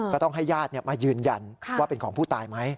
ก็ต้องให้ญาติมายืนยันว่าเป็นของผู้ตายไหม